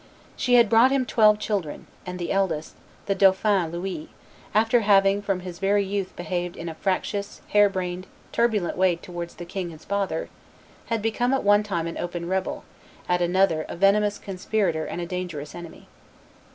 She had brought him twelve children, and the eldest, the dauphin Louis, after having from his very youth behaved in a factious, harebrained, turbulent way towards the king his father, had become at one time an open rebel, at another a venomous conspirator and a dangerous enemy.